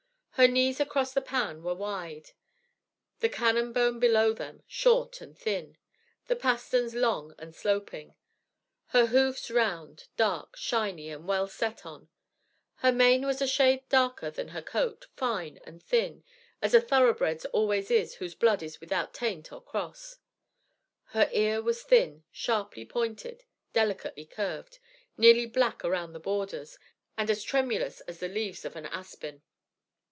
Her knees across the pan were wide, the cannon bone below them short and thin; the pasterns long and sloping; her hoofs round, dark, shiny, and well set on. Her mane was a shade darker than her coat, fine and thin, as a thoroughbred's always is whose blood is without taint or cross. Her ear was thin, sharply pointed, delicately curved, nearly black around the borders, and as tremulous as the leaves of an aspen.